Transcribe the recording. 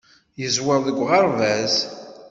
Yeẓwer deg uɣerbaz.